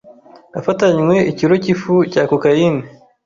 afatanywe ikiro cy’ifu cya cocaine